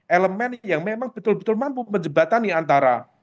elemen yang memang betul betul mampu menjebatani antara